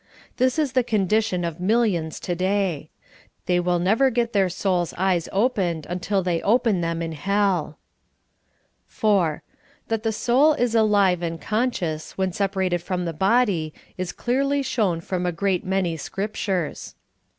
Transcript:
This is the condition of millions to day. They will never get their souls' eyes opened un til they open them in hell. IV. That the soul is alive and conscious ivhcn sepa rated from the body is clearly shown from a great many Scriptiires.